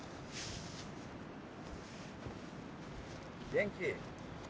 元気？